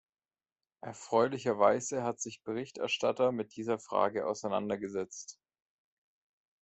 Erfreulicherweise hat sich Berichterstatter mit dieser Frage auseinandergesetzt.